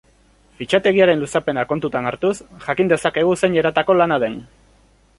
Fitxategiaren luzapena kontutan hartuz, jakin dezakegu zein eratako lana den.